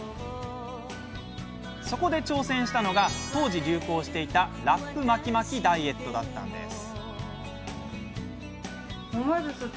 そこで挑戦したのが当時、流行していたラップ巻き巻きダイエットだったんです。